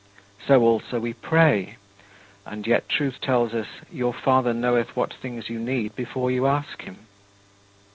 So also we pray and yet Truth tells us, "Your Father knoweth what things you need before you ask him."